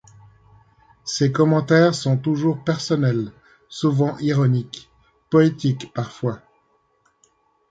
Ses commentaires sont toujours personnels, souvent ironiques, poétiques parfois.